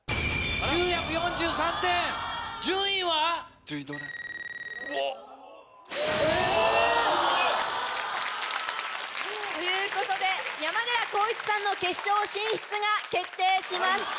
順位は⁉え！ということで山寺宏一さんの決勝進出が決定しました！